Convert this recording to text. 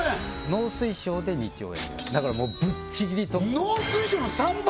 農水省で２兆円ぐらいだからぶっちぎりトップ農水省の３倍！